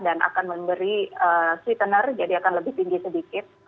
dan akan memberi sweetener jadi akan lebih tinggi sedikit